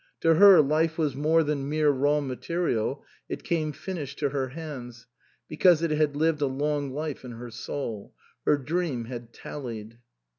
To her, life was more than mere raw material, it came finished to her hands, because it had lived a long life in her soul. Her dream had tallied.